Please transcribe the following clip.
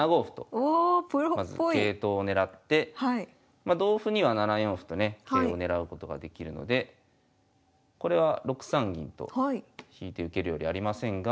ま同歩には７四歩とね桂を狙うことができるのでこれは６三銀と引いて受けるよりありませんが。